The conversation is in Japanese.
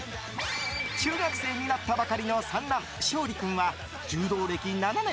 中学生になったばかりの三男昇利君は柔道歴７年。